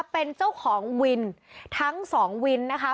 เป็นเจ้าของวินทั้งสองวินนะคะ